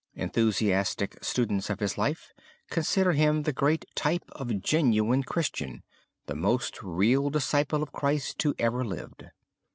Enthusiastic students of his life consider him the great type of genuine Christian, the most real disciple of Christ who ever lived.